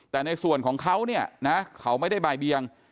แต่ในส่วนของเขาเนี่ยนะเขาไม่ได้บ่ายเบียง